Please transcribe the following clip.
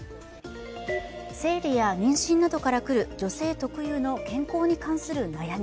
生理や妊娠などから来る女性特有の健康に関する悩み。